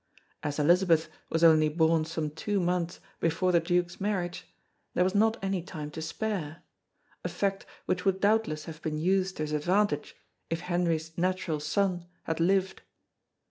As Elizabeth was only born some two months before the Duke's marriage there was not any time to spare a fact which would doubtless have been used to his advantage if Henry's natural son had lived.